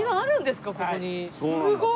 すごい！